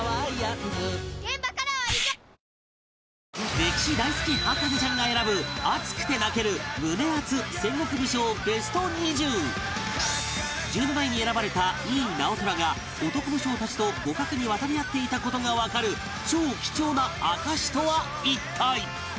歴史大好き博士ちゃんが選ぶ熱くて泣ける１７位に選ばれた井伊直虎が男武将たちと互角に渡り合っていた事がわかる超貴重な証とは一体？